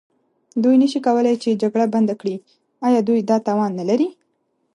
دوی نه شي کولای چې جګړه بنده کړي، ایا دوی دا توان نه لري؟